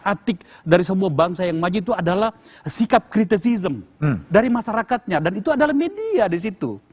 atik dari semua bangsa yang maju itu adalah sikap kritisism dari masyarakatnya dan itu adalah media di situ